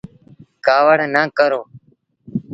ڪآوڙ نا ڪرو۔